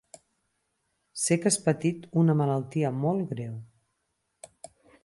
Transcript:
Sé que has patit una malaltia molt greu.